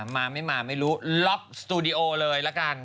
ไม่รู้ลอบสตูดีโอเลยล่ะกัน